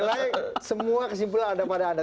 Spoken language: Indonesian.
publik akan menilai semua kesimpulan anda kepada anda